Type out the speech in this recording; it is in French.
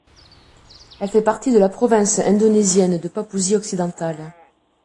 Elle fait partie de la province indonésienne de Papouasie occidentale.